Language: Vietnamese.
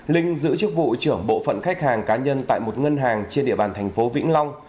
linh giữ chức vụ trưởng bộ phận khách hàng cá nhân tại một ngân hàng trên địa bàn thành phố vĩnh long